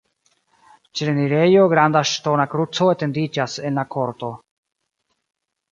Ĉe la enirejo granda ŝtona kruco etendiĝas en la korto.